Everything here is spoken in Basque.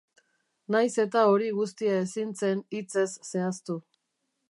Nahiz eta hori guztia ezin zen hitzez zehaztu.